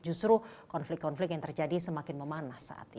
justru konflik konflik yang terjadi semakin memanas saat ini